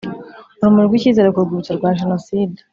urumuri rw icyizere ku rwibutso rwa jenoside